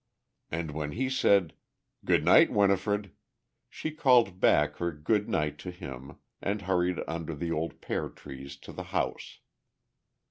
And when he said, "Good night, Winifred," she called back her good night to him, and hurried under the old pear trees to the house.